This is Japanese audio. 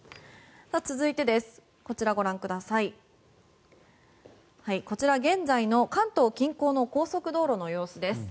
続いて、こちら現在の関東近郊の高速道路の様子です。